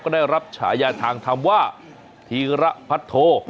ก็ได้รับฉายาทางธรรมว่าธีระพัทโท